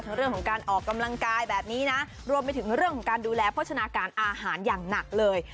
เรื่องของการออกกำลังกายแบบนี้นะรวมไปถึงเรื่องของการดูแลโภชนาการอาหารอย่างหนักเลย